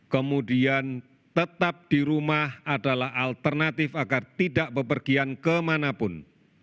kemudian tetap di rumah adalah alternatif agar tidak bepergian kemanapun